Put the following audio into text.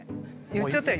言っちゃったよ